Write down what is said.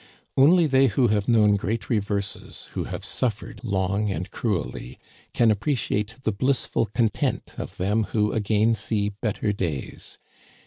Only they who have known great reverses, who have suffered long and cruelly, can appreciate the blissful content of them who again see better days.